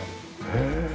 へえ。